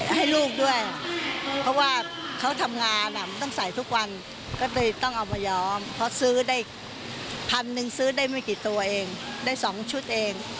ให้ลูกด้วยเพราะว่าเขาทำงานต้องใส่ทุกวันก็เลยต้องเอามาย้อมเพราะซื้อได้พันหนึ่งซื้อได้ไม่กี่ตัวเองได้๒ชุดเอง